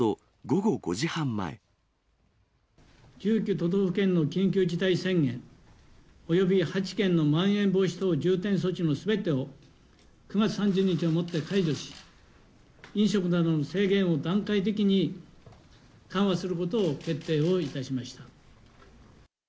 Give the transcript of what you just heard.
都道府県の緊急事態宣言、および８県のまん延防止等重点措置のすべてを、９月３０日をもって解除し、飲食などの制限を段階的に緩和することを決定をいたしました。